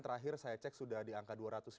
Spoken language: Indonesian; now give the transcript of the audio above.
terakhir saya cek sudah di angka dua ratus lima puluh